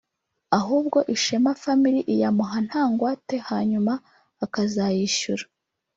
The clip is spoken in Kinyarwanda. ahubwo “Ishema Family “ iyamuha nta ngwate hanyuma akazayishyura